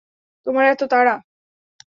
তোমার এত তাড়া।